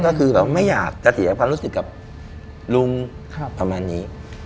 ก็คือแบบไม่อยากจะเสียความรู้สึกกับลุงประมาณนี้